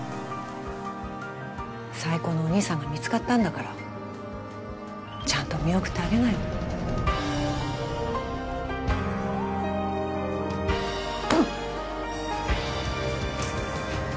最高のお兄さんが見つかったんだからちゃんと見送ってあげなよほらっ